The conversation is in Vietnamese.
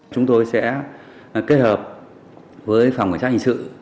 chúng tôi sẽ kết hợp với phòng cảnh sát hình sự